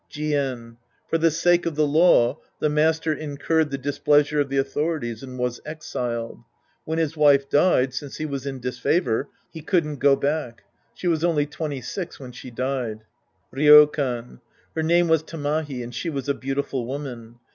Jien. For the sake of the law, the master incurred the displeasure of the authorities and was exiled. When his wife died, since he was in disfavor, he couldn't go back. She was only twenty six when she died. Ryokan. Her name was Tamahi and she was a beautiful woman.